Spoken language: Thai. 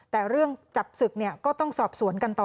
แต่เรื่องจับศึกก็ต้องสอบสวนกันต่อ